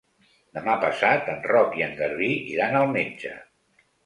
Demà passat en Roc i en Garbí iran al metge.